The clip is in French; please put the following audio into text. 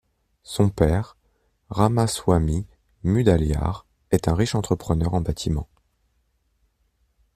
Son père, Ramaswamy Mudaliar, est un riche entrepreneur en bâtiment.